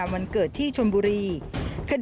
วันที่สุด